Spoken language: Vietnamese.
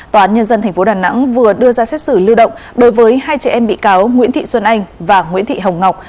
tòa án nhân dân tp đà nẵng vừa đưa ra xét xử lưu động đối với hai trẻ em bị cáo nguyễn thị xuân anh và nguyễn thị hồng ngọc